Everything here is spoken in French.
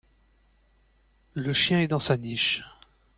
Le chien est dans sa niche.